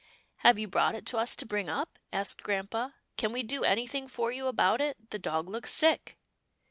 " Have you brought it to us to bring up? asked grampa, " can we do anything for you about it ? The dog looks sick."